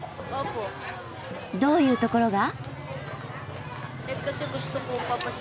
どういうところが？